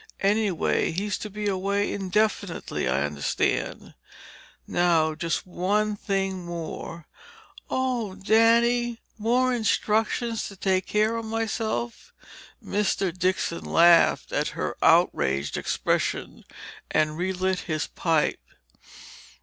Anyway, he's to be away indefinitely, I understand. Now, just one thing more." "Oh, Daddy! More instructions to take care of myself?" Mr. Dixon laughed at her outraged expression, and relit his pipe.